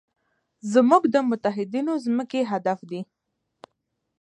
زموږ د متحدینو ځمکې هدف دی.